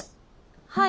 はい。